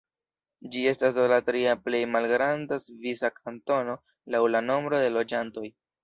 Ĝi estas do la tria plej malgranda svisa kantono laŭ la nombro de loĝantoj.